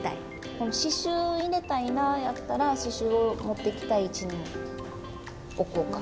この刺しゅう入れたいなやったら刺しゅうを持ってきたい位置に置こうか。